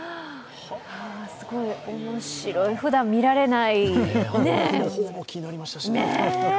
すごいおもしろい、ふだん見られない。